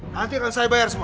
nanti akan saya bayar semua